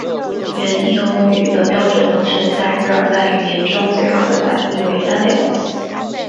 原印欧语的标准模式在日耳曼语言中最好的反映为三类动词。